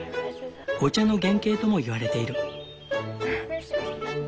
お茶の原形とも言われている。